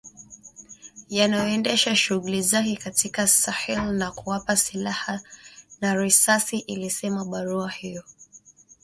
yanayoendesha shughuli zake katika Sahel na kuwapa silaha na risasi ilisema barua hiyo